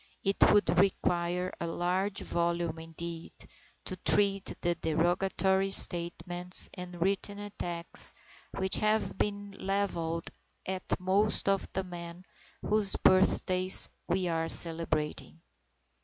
It would require a large volume indeed, to treat of the derogatory statements and written attacks which have been levelled at most of the men whose birthdays we are celebrating.